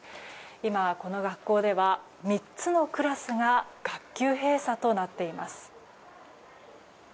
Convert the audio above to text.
今、この学校では３つのクラスが学級閉鎖となっています。